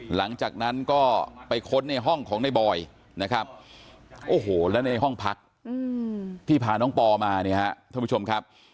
หลังจากนั้นก็ไปค้นในห้องของในบอยนะครับโอ้โหแล้วในห้องพักที่พาน้องปอมาเนี่ยฮะท่านผู้ชมครับ